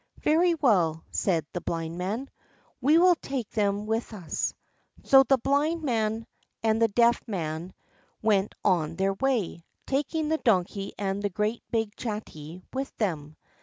"Very well," said the Blind Man; "we will take them with us." So the Blind Man and the Deaf Man went on their way, taking the Donkey and the great big chattee with them.